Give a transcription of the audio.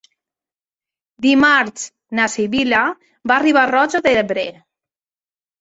Dimarts na Sibil·la va a Riba-roja d'Ebre.